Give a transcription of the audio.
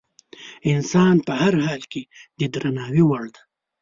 انسان په هر حال کې د درناوي وړ دی.